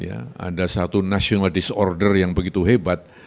ada satu national disorder yang begitu hebat